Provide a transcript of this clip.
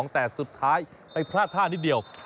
แต่สุดท้ายไปพลาดท่านิดเดียว